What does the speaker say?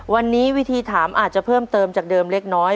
วันนี้วิธีถามอาจจะเพิ่มเติมจากเดิมเล็กน้อย